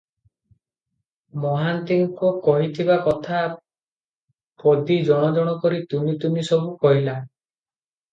ମହାନ୍ତିଙ୍କ କହିଥିବା କଥା ପଦୀ ଜଣ ଜଣ କରି ତୁନି ତୁନି ସବୁ କହିଲା ।